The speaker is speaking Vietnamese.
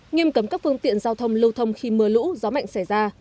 nghiêm cấm các phương tiện giao thông lâu thông khi mưa lũ gió mạnh xảy ra